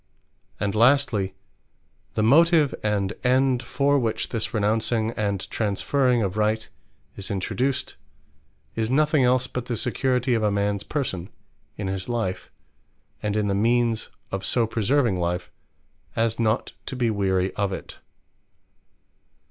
And lastly the motive, and end for which this renouncing, and transferring or Right is introduced, is nothing else but the security of a mans person, in his life, and in the means of so preserving life, as not to be weary of it.